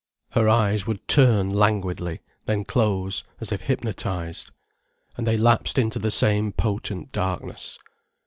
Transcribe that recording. Her eyes would turn languidly, then close, as if hypnotized. And they lapsed into the same potent darkness.